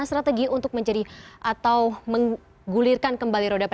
sehat juga ya pak pak dede ya